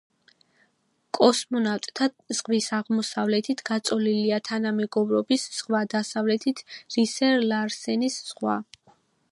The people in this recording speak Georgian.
კოსმონავტთა ზღვის აღმოსავლეთით გაწოლილია თანამეგობრობის ზღვა, დასავლეთით რისერ-ლარსენის ზღვა.